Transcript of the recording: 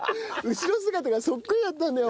後ろ姿がそっくりだったんだよ。